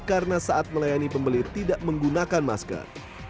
karena saat melayani pembeli tidak menggunakan masker